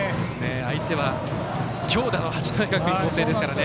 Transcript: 相手は強打の八戸学院光星ですからね。